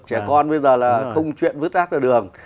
trẻ con bây giờ là không chuyện vứt rác ra đường